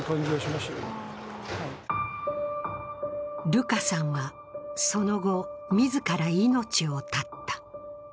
ルカさんはその後、自ら命を絶った。